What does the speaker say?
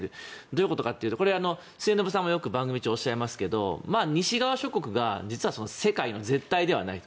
どういうことかというと末延さんがよく番組中おっしゃいますけど西側諸国が世界の絶対ではない。